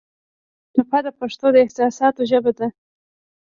ټپه د پښتو د احساساتو ژبه ده.